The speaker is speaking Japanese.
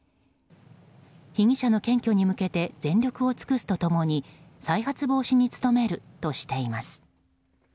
被疑者の検挙に向けて全力を尽くすと共に再発防止に努めるとしています。